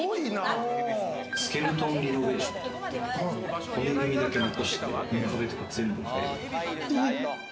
スケルトンリノベーションという骨組みだけ残して壁とか全部変えて。